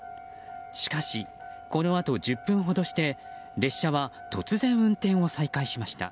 しかし、このあと１０分ほどして列車は突然運転を再開しました。